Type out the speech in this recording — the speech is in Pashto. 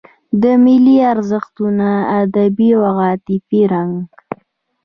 د ملي ارزښتونو ادبي او عاطفي رنګ.